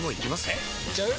えいっちゃう？